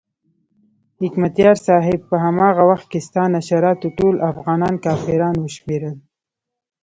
حکمتیار صاحب په هماغه وخت کې ستا نشراتو ټول افغانان کافران وشمېرل.